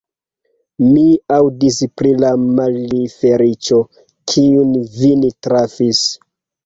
Mi aŭdis pri la malfeliĉo, kiu vin trafis.